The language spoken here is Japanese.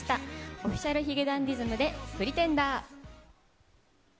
Ｏｆｆｉｃｉａｌ髭男ｄｉｓｍでＰｒｅｔｅｎｄｅｒ。